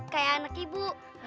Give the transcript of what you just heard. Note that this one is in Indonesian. kayak anak ibu